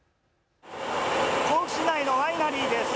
甲府市内のワイナリーです。